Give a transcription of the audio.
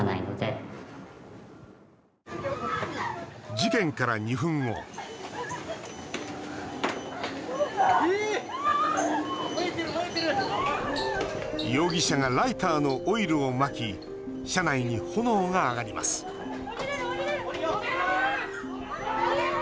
事件から２分後容疑者がライターのオイルをまき車内に炎が上がります降りれる！